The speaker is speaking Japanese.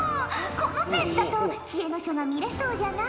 このペースだと知恵の書が見れそうじゃな？